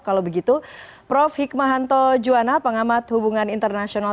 kalau begitu prof hikmahanto juwana pengamat hubungan internasional